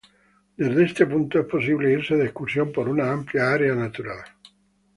Desde este punto es posible irse de excursión por una amplia área natural.